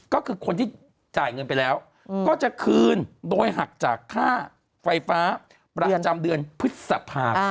ก็คือคนที่จ่ายเงินไปแล้วก็จะคืนโดยหักจากค่าไฟฟ้าประจำเดือนพฤษภาคม